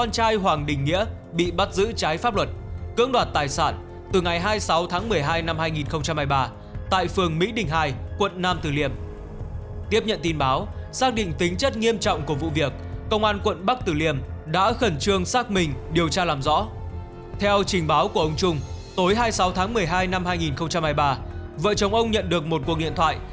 tối hai mươi sáu tháng một mươi hai năm hai nghìn hai mươi ba vợ chồng ông nhận được một cuộc điện thoại